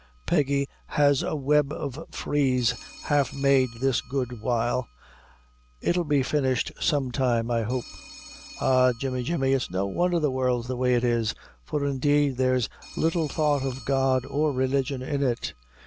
Peggy has a web of frieze half made this good while; it'll be finished some time, I hope." "Ah! Jemmy, Jemmy, it's no wondher the world's the way it is, for indeed there's little thought of God or religion in it.